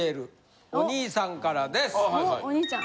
おっお兄ちゃん。